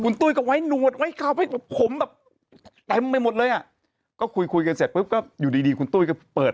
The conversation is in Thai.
นวดไว้เข้าไปผมแบบไปหมดเลยอ่ะก็คุยกันเสร็จก็อยู่ดีคุณตุ้ยก็เปิด